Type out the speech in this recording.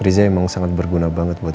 riza emang sangat berguna banget buat gue